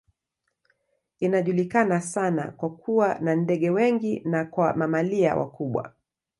Inajulikana sana kwa kuwa na ndege wengi na kwa mamalia wakubwa.